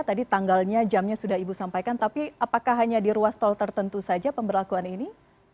tadi tanggalnya jamnya sudah ibu sampaikan tapi apakah hanya di ruas tol tertentu saja pemberlakuan ini